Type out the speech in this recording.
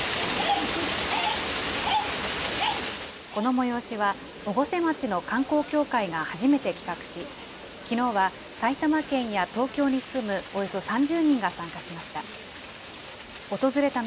この催しは、越生町の観光協会が初めて企画し、きのうは埼玉県や東京に住むおよそ３０人が参加しました。